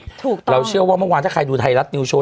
ถูกต้องเราเชื่อว่าเมื่อวานถ้าใครดูไทยรัฐนิวโชว